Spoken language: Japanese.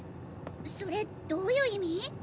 それどういう意味？